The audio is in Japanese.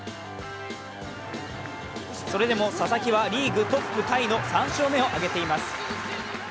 それでも佐々木はリーグトップタイの３勝目を挙げています。